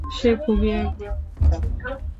সে খুবই একগুঁয়ে মহিলা।